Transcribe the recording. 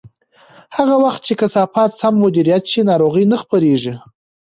هغه وخت چې کثافات سم مدیریت شي، ناروغۍ نه خپرېږي.